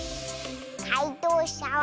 かいとうしゃは。